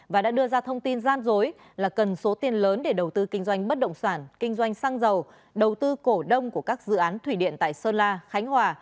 và đã đưa ra thông tin gian dối là cần số tiền lớn để đầu tư kinh doanh bất động sản kinh doanh xăng dầu đầu tư cổ đông của các dự án thủy điện tại sơn la khánh hòa